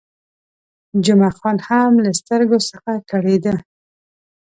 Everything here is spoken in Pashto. جمعه خان هم له سترګو څخه کړېده.